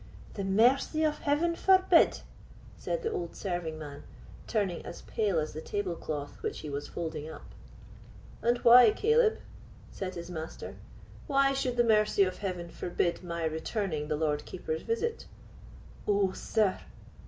"The mercy of Heaven forbid!" said the old serving man, turning as pal as the table cloth which he was folding up. "And why, Caleb?" said his master—"why should the mercy of Heaven forbid my returning the Lord Keeper's visit?" "Oh, sir!"